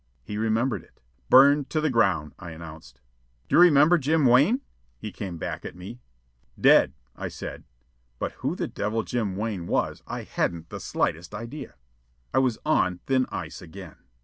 He remembered it. "Burned to the ground," I announced. "Do you remember Jim Wan?" he came back at me. "Dead," I said; but who the devil Jim Wan was I hadn't the slightest idea. I was on thin ice again.